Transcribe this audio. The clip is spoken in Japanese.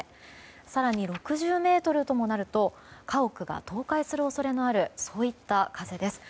更に６０メートルともなると家屋が倒壊する恐れのあるそういった風です。